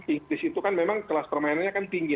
inggris itu kan memang kelas permainannya kan tinggi